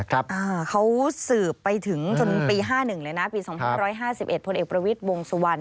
เขาสืบไปถึงจนปี๑๙๕๑ผลเอกประวิทย์วงศวรรณ